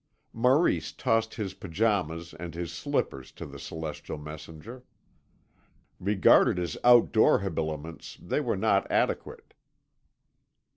Maurice tossed his pyjamas and his slippers to the celestial messenger. Regarded as outdoor habiliments they were not adequate.